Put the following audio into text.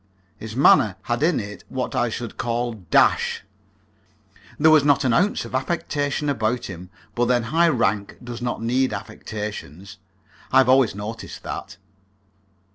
His manner had in it what I should call dash. There was not an ounce of affectation about him; but then high rank does not need affectations I have always noticed that.